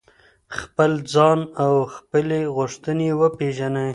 خپل ځان او خپلي غوښتنې وپیژنئ.